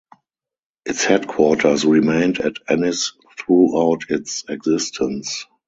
Its headquarters remained at Ennis throughout its existence.